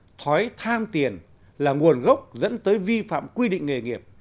đối với tham tiền là nguồn gốc dẫn tới vi phạm quy định nghề nghiệp